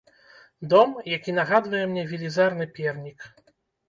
Дом, які нагадвае мне велізарны пернік.